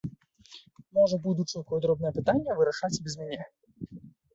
Можа, будучы, якое дробнае пытанне вырашаць і без мяне.